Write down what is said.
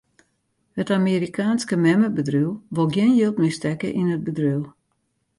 It Amerikaanske memmebedriuw wol gjin jild mear stekke yn it bedriuw.